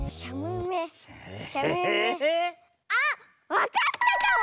わかったかも！